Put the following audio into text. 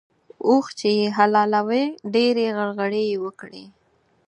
اوښ چې يې حلالوی؛ ډېرې غرغړې يې وکړې.